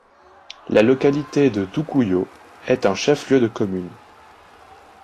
La localité de Doukouyo est un chef-lieu de commune.